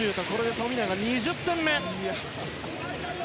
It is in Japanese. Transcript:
富永、２０点目。